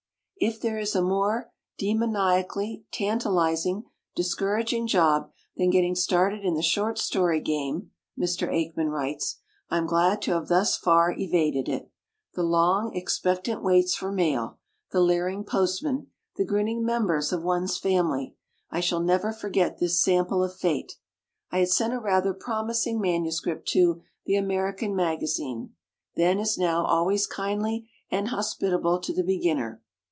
If there is a more demoniacally, tantalizing, discouraging Job than getting started in the short story game (Mr. Aikman writes), I'm glad to have thus far evaded it. The long, expectant waits for mail. The leering post man. The grinning members of one's family. I shall never forget this sample of Fate : I had sent a rather promising manuscript to "The American Magazine" — then, as now, always kindly and hospitable to the beginner.